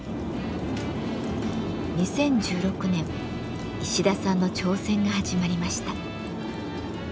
２０１６年石田さんの挑戦が始まりました。